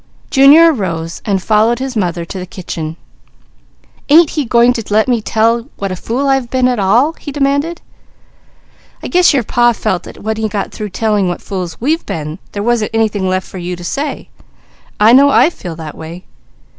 Junior arose and followed his mother to the kitchen. "Ain't he going to let me tell what a fool I've been at all?" he demanded. "I guess your Pa felt that when he got through telling what fools we've been, there wasn't anything left for you to say. I know I feel that way.